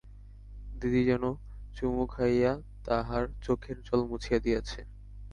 দিদি যেন চুমো খাইয়া তাহার চোখের জল মুছাইয়া দিয়াছে।